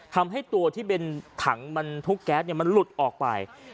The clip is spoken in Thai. ทำให้ตัวที่เป็นถังบรรทุกแก๊สมันหลุดออกไป